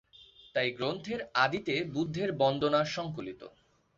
তাই গ্রন্থের আদিতে বুদ্ধের বন্দনা সংকলিত।